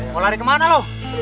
mau lari kemana lo